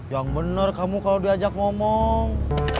yang bener kamu kalau diajak ngomong